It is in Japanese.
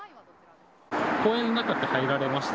公園の中って入られました？